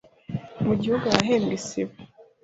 mu gihugu ahahembwe Isibo